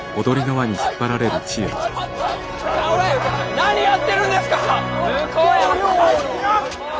何やってるんですか！